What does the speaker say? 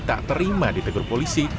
tak terima ditegur polisi